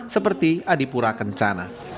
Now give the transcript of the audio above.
seperti adipura kencana